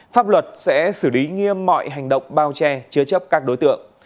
pháp luật sẽ xử lý nghiêm mọi hành động bao che chứa chấp các đối tượng